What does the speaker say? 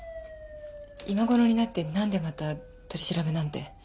今頃になってなんでまた取り調べなんて。